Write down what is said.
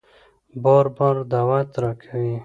بار بار دعوت راکوي